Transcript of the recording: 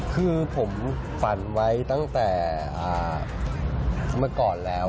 คือผมฝันไว้ตั้งแต่เมื่อก่อนแล้ว